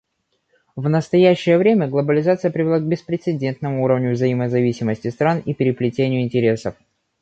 В настоящее время глобализация привела к беспрецедентному уровню взаимозависимости стран и переплетению интересов.